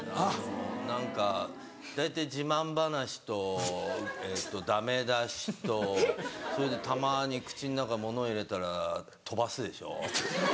何か大体自慢話とダメ出しとそれでたまに口の中物入れたら飛ばすでしょ。